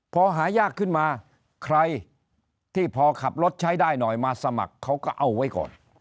พอหายากขึ้นมาใครที่พอขับรถใช้ได้หน่อยมาสมัครเขาก็เอาไว้ก่อน